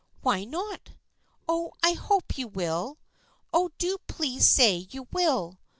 "Why not? Oh, I hope you will. Oh, do please say you will